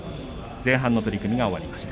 前半の取組が終わりました。